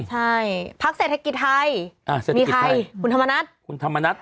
ใช่พักเศรษฐกิจไทยมีใครคุณธรรมนัฏ